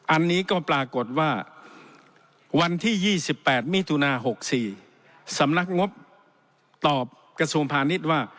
อันนี้ก็ปรากฏว่าวันที่๒๘มิถุนา๖๔สำนักงบตอบกระทรวงพาณิชย์ว่า